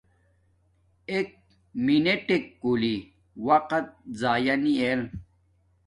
ایک منٹک کولی وقت ضیا نی ار